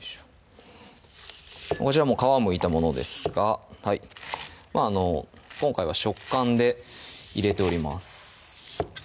こちら皮むいたものですが今回は食感で入れております